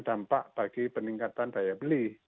dampak bagi peningkatan daya beli